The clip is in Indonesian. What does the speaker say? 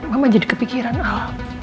mama jadi kepikiran al